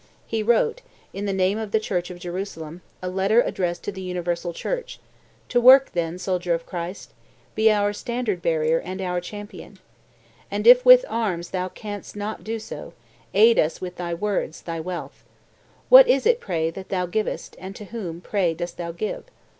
He wrote, in the name of the Church of Jerusalem, a letter addressed to the universal Church: "To work, then, soldier of Christ! Be our standard bearer and our champion! And if with arms thou canst not do so, aid us with thy words, thy wealth. What is it, pray, that thou givest, and to whom, pray, dost thou give?